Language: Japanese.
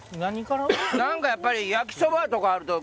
何かやっぱり焼きそばとかあると。